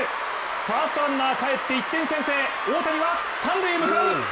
ファーストランナー帰って１点先制、大谷は三塁に向かう。